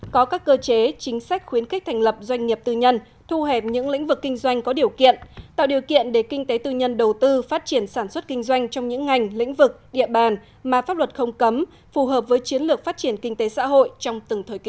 có các cơ chế chính sách khuyến khích thành lập doanh nghiệp tư nhân thu hẹp những lĩnh vực kinh doanh có điều kiện tạo điều kiện để kinh tế tư nhân đầu tư phát triển sản xuất kinh doanh trong những ngành lĩnh vực địa bàn mà pháp luật không cấm phù hợp với chiến lược phát triển kinh tế xã hội trong từng thời kỳ